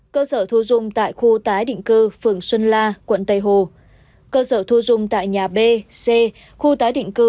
cơ sở thu dung tại khu tái định cư phường xuân la quận tây hồ cơ sở thu dung tại nhà b c khu tái định cư